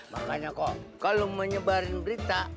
makanya kok kalau menyebarin berita